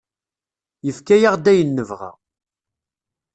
Yefka-aɣ-d ayen nebɣa.